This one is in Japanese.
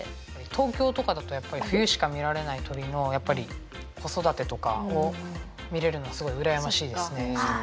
東京とかだとやっぱり冬しか見られない鳥のやっぱり子育てとかを見れるのはすごいうらやましいですね。